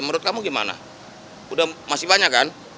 menurut kamu gimana udah masih banyak kan